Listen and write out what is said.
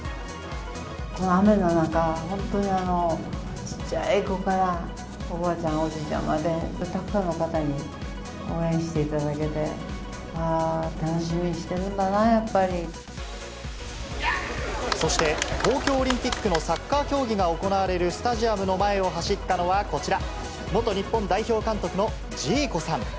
この雨の中、本当にちっちゃい子からおばあちゃん、おじいちゃんまで、たくさんの方に応援していただけて、ああ、そして、東京オリンピックのサッカー競技が行われるスタジアムの前を走ったのはこちら、元日本代表監督のジーコさん。